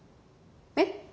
えっ？